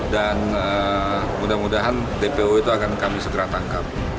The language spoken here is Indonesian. dan mudah mudahan dpo itu akan kami segera tangkap